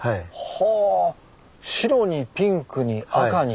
はあ白にピンクに赤に。